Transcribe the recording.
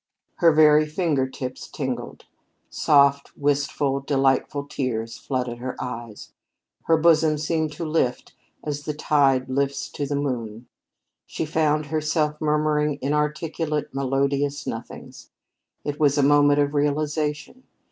Her very finger tips tingled; soft, wistful, delightful tears flooded her eyes. Her bosom seemed to lift as the tide lifts to the moon. She found herself murmuring inarticulate, melodious nothings. It was a moment of realization.